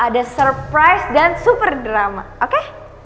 itu nanti bakal ada surprise dan super drama oke